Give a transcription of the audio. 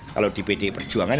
kalau di pd perjuangan